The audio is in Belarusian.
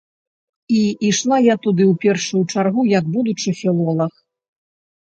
І ішла я туды ў першую чаргу як будучы філолаг.